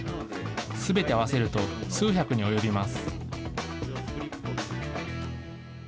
すべて合わせると数百に及びます。